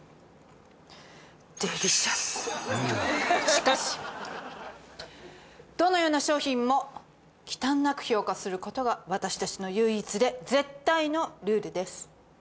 しかしどのような商品も忌憚なく評価する事が私たちの唯一で絶対のルールです。